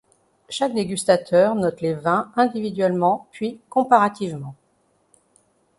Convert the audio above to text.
Chaque dégustateur note les vins individuellement puis comparativement.